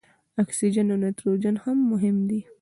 اکسیجن او نایتروجن هم مهم دي.